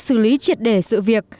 sử lý triệt để sự việc